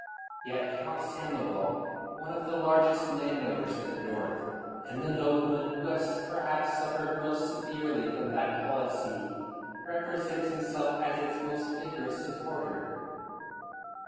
Yet Count Samoval, one of the largest landowners in the north, and the nobleman who has perhaps suffered most severely from that policy, represents himself as its most vigorous supporter."